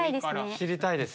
知りたいです。